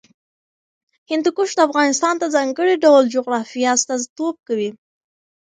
هندوکش د افغانستان د ځانګړي ډول جغرافیه استازیتوب کوي.